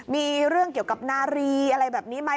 มีเรื่องเกี่ยวกับนารีอะไรแบบนี้ไหม